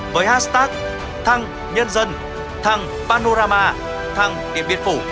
với hashtag thăng nhân dân thăng panorama thăng điện biên phủ